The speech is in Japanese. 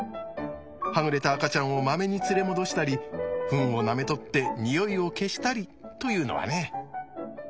はぐれた赤ちゃんをまめに連れ戻したりフンをなめとってニオイを消したりというのはね。